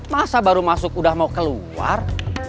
masa baru masuk udah mau keluar